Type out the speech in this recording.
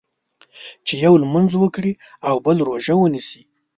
چې یو لمونځ وکړي او بل روژه ونیسي.